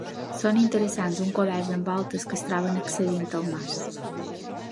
Són interessants uns coberts amb voltes que es troben accedint al mas.